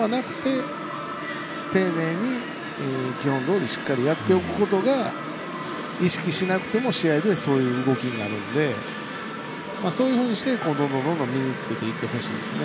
ではなくて、丁寧に基本どおりしっかりやっておくことが意識しなくても試合でそういう動きになるんでそういうふうにして、どんどん身につけていってほしいですね。